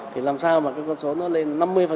thì làm sao mà cái con số nó lên năm mươi